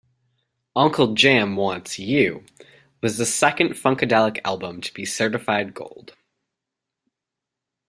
Uncle Jam Wants You was the second Funkadelic album to be certified gold.